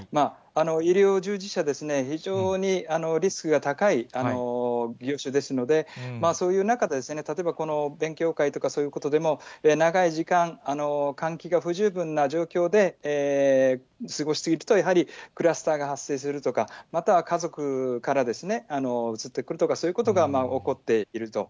医療従事者ですね、非常にリスクが高い業種ですので、そういう中で、例えば、この勉強会とかそういうことでも、長い時間、換気が不十分な状況で過ごしていると、やはりクラスターが発生するとか、または、家族からですね、うつってくるとか、そういうことが起こっていると。